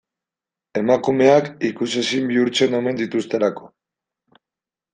Emakumeak ikusezin bihurtzen omen dituztelako.